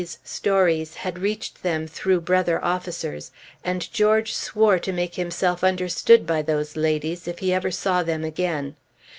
A few of the C s' stories had reached them through brother officers; and George swore to make himself understood by those ladies if he ever saw them again.